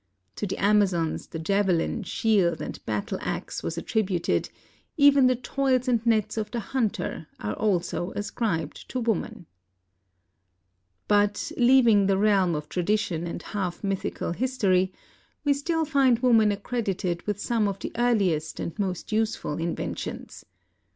To the Amazons the javelin, shield, and battle ax were attributed ; even the toils and nets of the hunter are also ascribed to woman. 480 THE NORTH AMERICAN REVIEW. But, leaving the realm of tradition and half mythical history, we still find woman accredited with some of the earliest and most useful inventions.